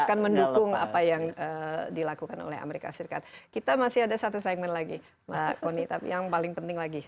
akan mendukung apa yang dilakukan oleh amerika serikat kita masih ada satu segmen lagi mbak kony tapi yang paling penting lagi